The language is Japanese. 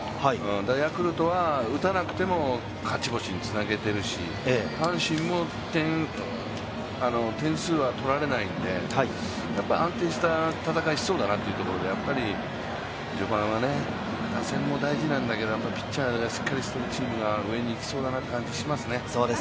だからヤクルトは打たなくても勝ち星につなげているし、阪神も点数は取られないんで、安定した戦いしそうだなというところで、やっぱり序盤は打線も大事なんだけど、ピッチャーがしっかりしているチームが上にいきそうだなという感じがしますね。